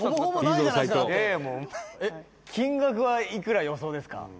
「金額はいくら予想ですか？」